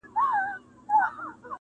• په مابین کي د رنګینو اولادونو -